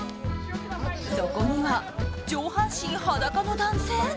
そこには上半身裸の男性？